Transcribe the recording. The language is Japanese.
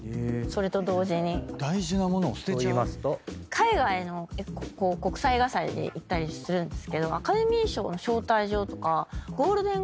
海外の国際映画祭で行ったりするんですけど。